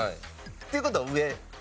っていう事は上？